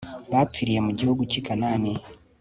bapfiriye mu gihugu cy i Kan ni